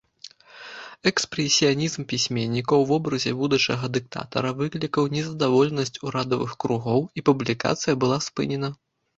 Экспрэсіянізм пісьменніка ў вобразе будучага дыктатара выклікаў незадаволенасць урадавых кругоў, і публікацыя была спынена.